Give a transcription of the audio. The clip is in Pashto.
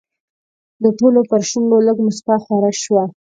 د ټولو پر شونډو لږه موسکا خوره شوه.